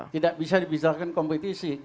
tidak bisa dibisarkan kompetisi